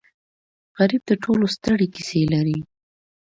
غریب د ټولو ستړې کیسې لري